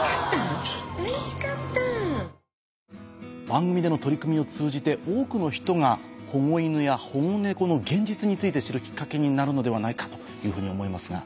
番組での取り組みを通じて多くの人が保護犬や保護猫の現実について知るきっかけになるのではないかというふうに思いますが。